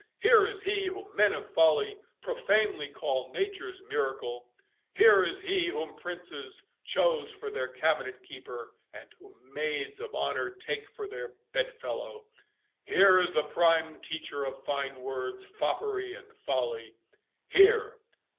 —Here is he, whom men of folly profanely call nature's miracle!—Here is he, whom princes chose for their cabinet keeper, and whom maids of honour take for their bed fellow!— Here is the prime teacher of fine words, foppery and folly—Here!"